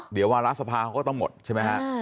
เดี๋ยววาระสภาเขาก็ต้องหมดใช่ไหมฮะ